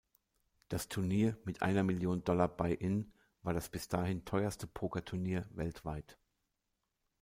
Das Turnier mit einer Million Dollar Buy-in war das bis dahin teuerste Pokerturnier weltweit.